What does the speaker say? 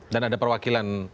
dan ada perwakilan